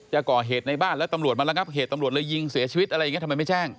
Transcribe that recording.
จะก่อเหตุในบ้านแล้วตำรวจมาระงับเหตุตำรวจเลยยิงเสียชีวิตอะไรอย่างนี้ทำไมไม่แจ้ง